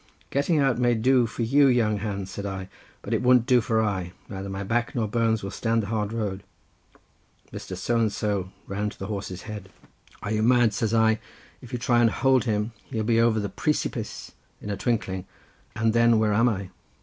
"'Getting out may do for you young hands,' says I, 'but it won't do for I; neither my back nor bones will stand the hard road.' "Mr. So and so ran to the horse's head. "'Are you mad?' says I, 'if you try to hold him he'll be over the pree si pice in a twinkling, and then where am I?